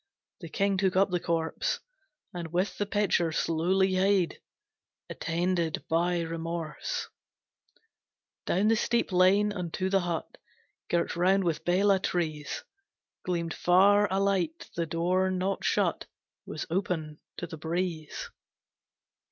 The king took up the corpse, And with the pitcher slowly hied, Attended by Remorse, Down the steep lane unto the hut Girt round with Bela trees; Gleamed far a light the door not shut Was open to the breeze.